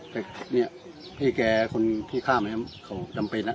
แต่เนี่ยพี่แกคนที่ฆ่ามาเนี่ยมันจำเป็นอะ